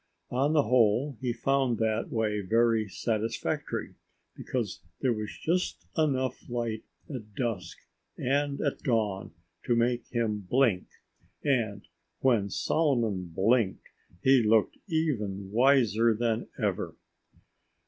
On the whole he found that way very satisfactory, because there was just enough light at dusk and at dawn to make him blink. And when Solomon blinked he looked even wiser than ever.